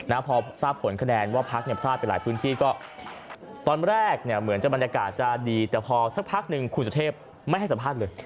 พอทราบผลคะแนนว่าพักเนี่ยพลาดไปหลายพื้นที่ก็ตอนแรกเนี่ยเหมือนจะบรรยากาศจะดีแต่พอสักพักหนึ่งคุณสุเทพไม่ให้สัมภาษณ์เลย